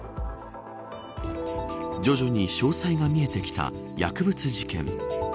徐々に詳細が見えてきた薬物事件。